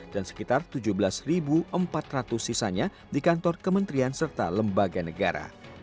dan sekitar tujuh belas empat ratus sisanya di kantor kementerian serta lembaga negara